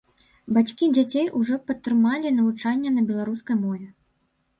Бацькі дзяцей ужо падтрымалі навучанне на беларускай мове.